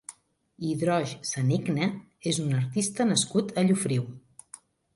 Idroj Sanicne és un artista nascut a Llofriu.